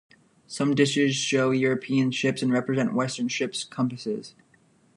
Some dishes show European ships, and represent Western ship's compasses.